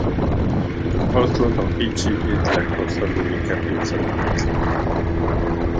Ostotl okichi itlaj posoli ika pitsonakatl.